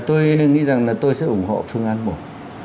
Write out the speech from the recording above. tôi nghĩ rằng là tôi sẽ ủng hộ phương án một